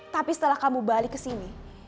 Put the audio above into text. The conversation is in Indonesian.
tapi setelah kamu balik kesini